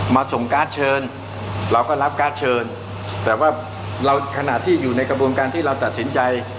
ส่งการ์ดเชิญเราก็รับการ์ดเชิญแต่ว่าเราขณะที่อยู่ในกระบวนการที่เราตัดสินใจ